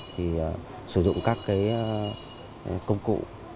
thì sử dụng các cái công cụ